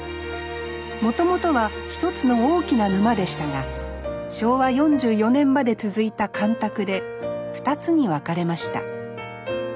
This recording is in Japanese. もともとは１つの大きな沼でしたが昭和４４年まで続いた干拓で２つに分かれました。